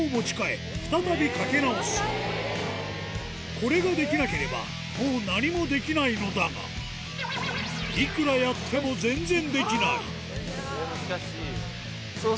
これができなければもう何もできないのだがいくらやってもこれは難しいよね。